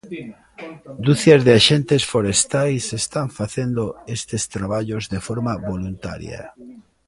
Ducias de axentes forestais están facendo estes traballos de forma voluntaria.